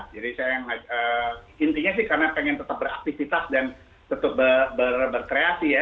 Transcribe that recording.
jadi saya yang intinya sih karena pengen tetap beraktivitas dan tetap berkreasi ya